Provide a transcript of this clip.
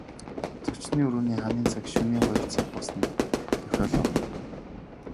Зочны өрөөний ханын цаг шөнийн хоёр цаг болсныг дохиолов.